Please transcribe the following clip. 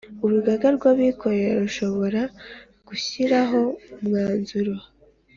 Urugaga rw’ abakozi rushobora gushyiraho umwanzuro